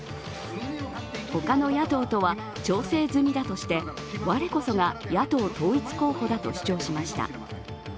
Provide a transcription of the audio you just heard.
他の野党は調整済みだとして我こそが野党統一候補だと主張しました。